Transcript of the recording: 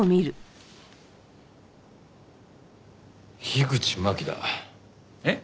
樋口真紀だ。えっ？